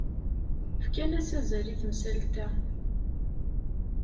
Fkan-as azal i temsalt-a.